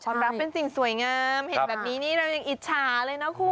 รักเป็นสิ่งสวยงามเห็นแบบนี้นี่เรายังอิจฉาเลยนะคุณ